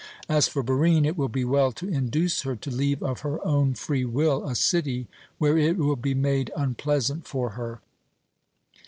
As for Barine, it will be well to induce her to leave of her own free will a city where it will be made unpleasant for her.